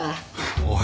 おい！